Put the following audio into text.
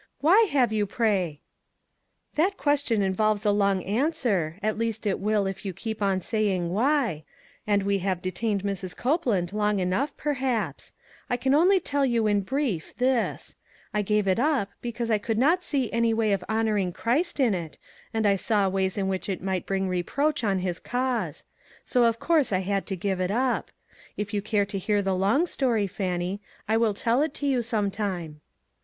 " Why have you pray ?"" That question involves a long answer, at least it will if }'ou keep on saying why ? And we have detained Mrs. Copeland long enough, perhaps; I can only tell you in brief this: I gave it up because I could not see any way of honoring Christ in it, and I saw ways in which it might bring re proach on his cause ; so of course I had to give it up. If you care to hear the long story, Fannie, I will tell it to you some time."